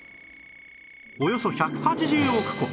およそ１８０億個